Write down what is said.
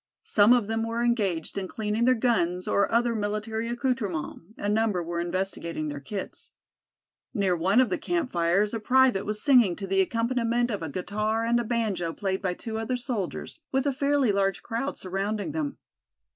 Some of them were engaged in cleaning their guns or other military accoutrements, a number were investigating their kits. Near one of the camp fires a private was singing to the accompaniment of a guitar and a banjo played by two other soldiers, with a fairly large crowd surrounding them.